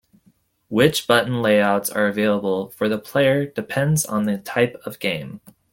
Which button layouts are available for the player depends on the type of game.